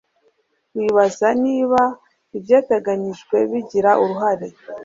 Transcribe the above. wibaze niba ibyateganijwe bigira uruhare